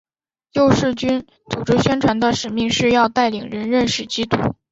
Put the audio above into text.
救世军组织宣传的使命是要带领人认识基督。